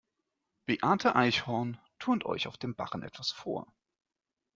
Beate Eichhorn turnt euch auf dem Barren etwas vor.